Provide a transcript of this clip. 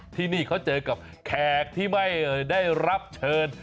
ที่นี่เขาเจอกับแขกที่ไม่ได้รับเชิญ